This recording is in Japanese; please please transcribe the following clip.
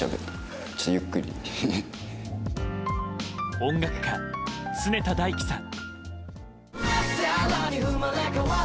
音楽家・常田大希さん。